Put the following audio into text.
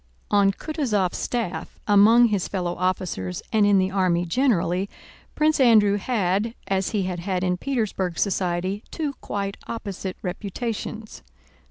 On Kutúzov's staff, among his fellow officers and in the army generally, Prince Andrew had, as he had had in Petersburg society, two quite opposite reputations.